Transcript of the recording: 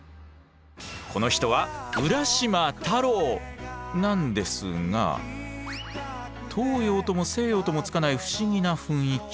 この人はなんですが東洋とも西洋ともつかない不思議な雰囲気。